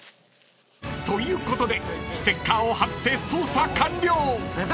［ということでステッカーを貼って捜査完了！］